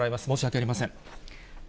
申し訳ありません。